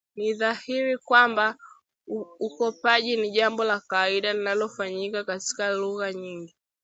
Ni dhahiri kwamba ukopaji ni jambo la kawaida linalofanyika katika lugha nyingi